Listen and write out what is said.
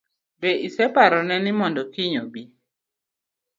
Be iseparo ne ni mondo kiny obi?